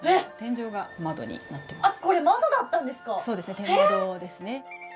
天窓ですね。